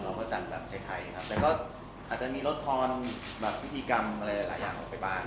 เราก็จัดแบบไทยครับแต่ก็อาจจะมีลดทอนแบบพิธีกรรมอะไรหลายอย่างออกไปบ้าง